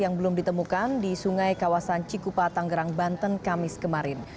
yang belum ditemukan di sungai kawasan cikupa tanggerang banten kamis kemarin